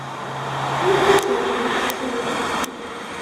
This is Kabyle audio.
Wukud tebɣam ad tessiwlem?